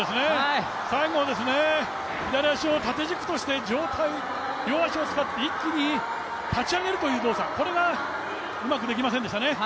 最後、左足を縦軸として両足を使って一気に立ち上げるという動作がうまくできませんでしたね。